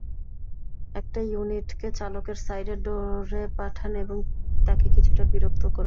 একটা ইউনিটকে চালকের সাইড ডোরে পাঠান এবং তাকে কিছুটা বিরক্ত করুন।